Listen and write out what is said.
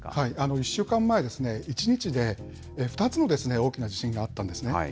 １週間前ですね、１日で２つの大きな地震があったんですね。